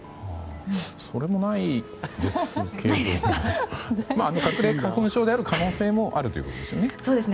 それもないですけど花粉症である可能性もあるということですよね。